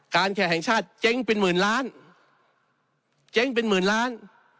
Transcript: การแคร์แห่งชาติเจ๊งก์เป็นหมื่นล้าน